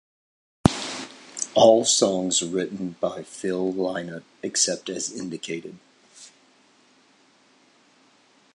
All songs written by Phil Lynott except as indicated.